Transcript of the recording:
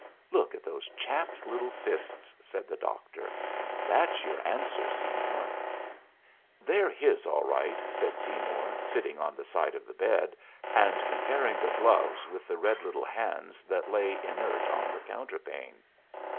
"Look at those chapped little fists," said the doctor. "That's your answer, Seymour!" "They're his, all right," said Seymour, sitting on the side of the bed, and comparing the gloves with the red little hands that lay inert on the counterpane.